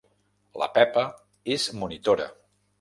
La Pepa és monitora.